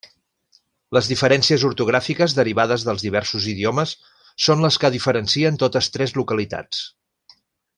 Les diferències ortogràfiques derivades dels diversos idiomes són les que diferencien totes tres localitats.